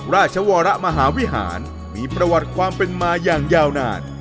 ราชวรมหาวิหารมีประวัติความเป็นมาอย่างยาวนาน